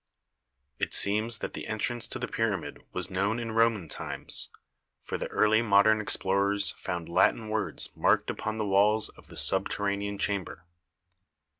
It seems that the entrance to the pyramid was known in Roman times, for the early modern explorers found Latin words marked upon the walls of the subterranean chamber.